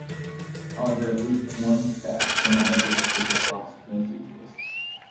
However, at least one staff surmounted with a papal cross does exist.